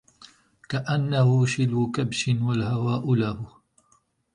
كأنه شلو كبش والهواء له